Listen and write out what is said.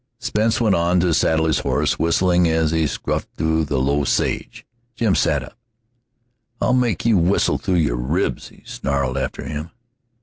Spence went on to saddle his horse, whistling as he scuffed through the low sage. Jim sat up. "I'll make you whistle through your ribs," he snarled after him.